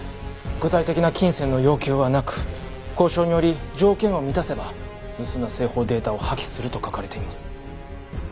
具体的な金銭の要求はなく「交渉により条件を満たせば盗んだ製法データを破棄する」と書かれています。